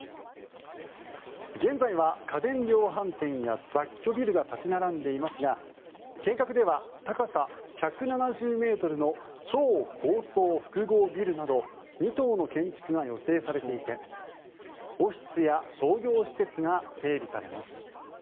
現在は家電量販店や雑居ビルが立ち並んでいますが計画では高さ１７０ｍの超高層複合ビルなど２棟の建築が予定されていてオフィスや商業施設が整備されます。